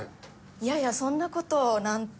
いやいやそんな事なんて。